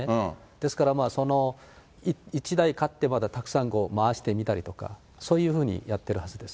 ですから１台買ってたくさん回して見たりとか、そういうふうにやってるはずです。